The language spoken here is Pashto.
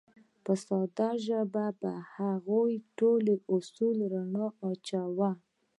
په ساده ژبه به په هغو ټولو اصولو رڼا واچوو.